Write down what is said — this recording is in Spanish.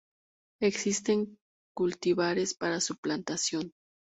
Existen cultivares para su plantación.